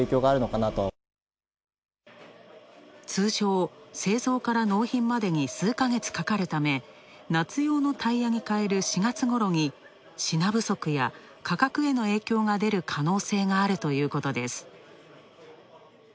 通常、製造から納品までに数ヶ月かかるため夏用のタイヤに変える４月ごろに品不足や価格への影響が出る可能性があるということです。